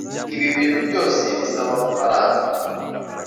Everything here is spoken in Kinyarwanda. ibi bintu byose bisaba amafaranga